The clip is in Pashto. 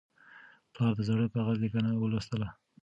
پلار د زاړه کاغذ لیکنه ولوستله.